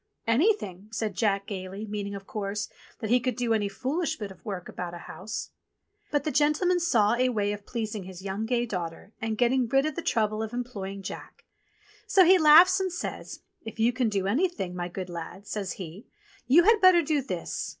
"Anything," said Jack gaily, meaning, of course, that he could do any foolish bit of work about a house. But the gentleman saw a way of pleasing his gay young daughter and getting rid of the trouble of employing Jack ; so he laughs and says, *'If you can do anything, my good lad," says he, "you had better do this.